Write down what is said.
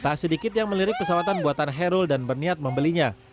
tak sedikit yang melirik pesawatan buatan herul dan berniat membelinya